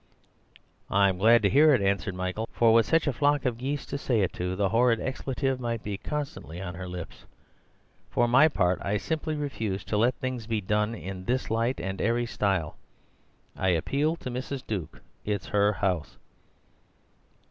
"I am glad to hear it," answered Michael, "for with such a flock of geese to say it to, the horrid expletive might be constantly on her lips. For my part, I simply refuse to let things be done in this light and airy style. I appeal to Mrs. Duke—it's her house."